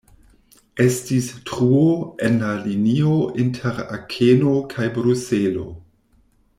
Estis truo en la linio inter Akeno kaj Bruselo.